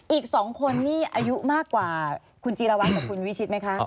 อีก๒คนนี่อายุมากกว่าคุณจีรวรรณกับคุณวิชิตไหมคะ